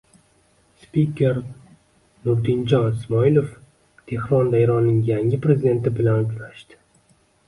Spiker Nurdinjon Ismoilov Tehronda Eronning yangi prezidenti bilan uchrashdi